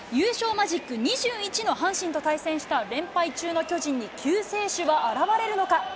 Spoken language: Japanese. マジック２１の阪神と対戦した連敗中の巨人に、救世主は現れるのか。